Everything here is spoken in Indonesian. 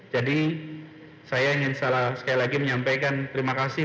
jadi saya ingin sekali lagi menyampaikan terima kasih